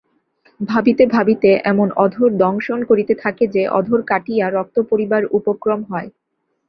ভাবিতে ভাবিতে এমন অধর দংশন করিতে থাকে যে অধর কাটিয়া রক্ত পড়িবার উপক্রম হয়।